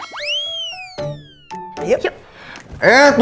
yaudah kalo gitu sekarang aja tante